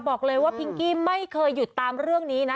บอกเลยว่าพิงกี้ไม่เคยหยุดตามเรื่องนี้นะ